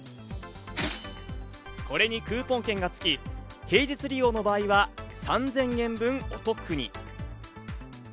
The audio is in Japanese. これにクーポン券がつき、平日利用の場合は３０００円分お得に。